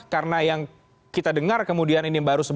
karena yang kita dengar kemudian ini baru sebut